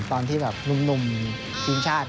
ตอนที่แบบหนุ่มทีมชาติ